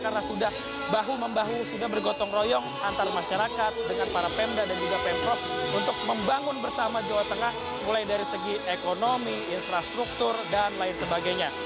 karena sudah bahu membahu sudah bergotong royong antar masyarakat dengan para pemda dan juga pemprov untuk membangun bersama jawa tengah mulai dari segi ekonomi infrastruktur dan lain sebagainya